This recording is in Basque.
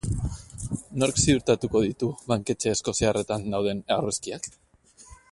Nork ziurtatuko ditu banketxe eskoziarretan dauden aurrezkiak?